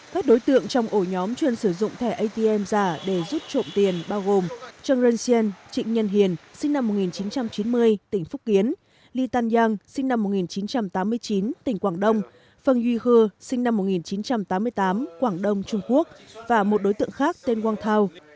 các đối tượng trong ổ nhóm chuyên sử dụng thẻ atm giả để rút trộm tiền bao gồm trương luân siên trịnh nhân hiền sinh năm một nghìn chín trăm chín mươi tỉnh phúc kiến ly tan yang sinh năm một nghìn chín trăm tám mươi chín tỉnh quảng đông phân duy kha sinh năm một nghìn chín trăm tám mươi tám quảng đông trung quốc và một đối tượng khác tên wang thao